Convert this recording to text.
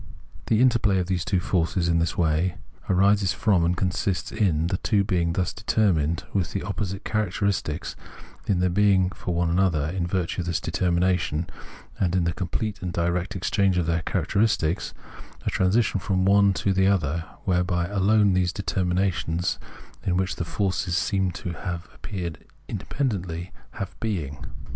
The interplay of the two forces in this way arises from and consists in the two being thus determined with opposite characteristics, in their being for one another in virtue of this determination and in the complete and direct exchange of their characteristics— a transition from one to the other, whereby alone these determinations, in which the forces seem to appear independently, have being.